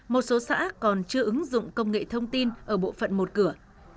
một số xã còn chưa ứng dụng công nghệ thông tin ở bộ phận một cửa